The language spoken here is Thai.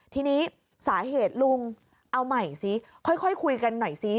ทีนี้สาเหตุลุงเอาใหม่ซิค่อยคุยกันหน่อยซิ